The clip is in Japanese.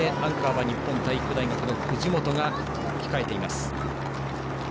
そして、アンカーは日本体育大学の藤本が控えます。